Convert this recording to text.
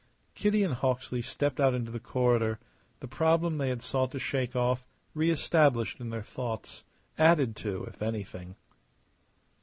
Kitty and Hawksley stepped out into the corridor, the problem they had sought to shake off reestablished in their thoughts, added too, if anything.